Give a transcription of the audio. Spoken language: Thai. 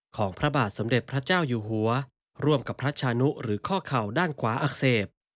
ของพระบาทสมเด็จพระเจ้าอยู่หัวร่วมกับพระชานุหรือข้อเข่าด้านขวาอักเสบ